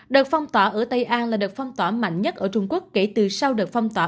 đợt phong tỏa ở tây an là đợt phong tỏa mạnh nhất ở trung quốc kể từ sau đợt phong tỏa